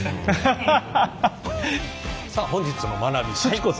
さあ本日の学びすち子さん